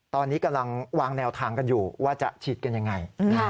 ตอนนี้กำลังวางแนวทางกันอยู่ว่าจะฉีดกันยังไง